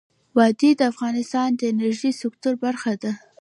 وادي د افغانستان د انرژۍ سکتور برخه ده.